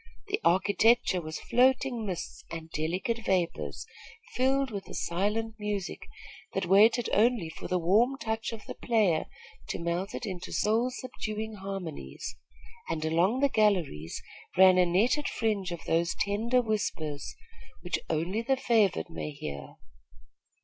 The architecture was floating mists and delicate vapors, filled with a silent music, that waited only for the warm touch of the player to melt it into soul subduing harmonies; and along the galleries ran a netted fringe of those tender whispers, which only the favored may hear.